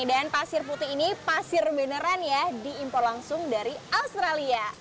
dan pasir putih ini pasir beneran ya diimpor langsung dari australia